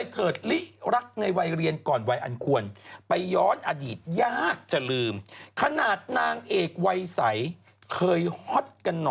ที่โรงเรียนชื่อดังแถวภรรพาว